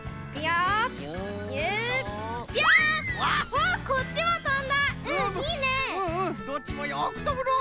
うんうんどっちもよくとぶのう。